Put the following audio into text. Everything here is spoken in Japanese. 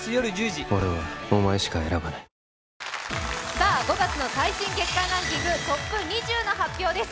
さあ、５月の最新月間ランキングトップ２０の発表です。